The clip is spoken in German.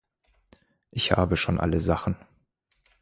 Ich habe schon alle Sachen.